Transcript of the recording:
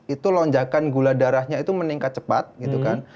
itu lonjakan gula darahnya itu meningkat cepat gitu kan